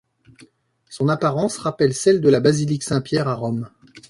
Son apparence rappelle celle de la basilique Saint-Pierre à Rome.